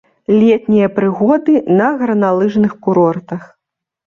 Летнія прыгоды на гарналыжных курортах.